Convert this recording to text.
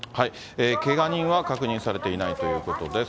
けが人は確認されていないということです。